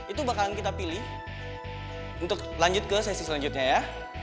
itu bakalan kita pilih untuk lanjut ke sesi selanjutnya ya